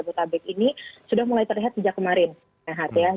jabodetabek ini sudah mulai terlihat sejak kemarin